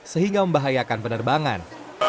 sehingga membahayakan penerbangan